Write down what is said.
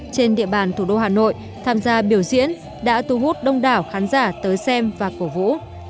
trên địa bàn thủ đô hà nội tham gia biểu diễn đã thu hút đông đảo khán giả tới xem và cổ vũ